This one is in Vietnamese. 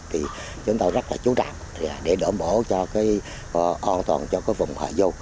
thì chúng tôi rất là chú trạng để đổ bổ cho an toàn cho vùng hồ vô